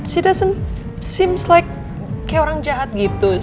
she doesn't seem like kayak orang jahat gitu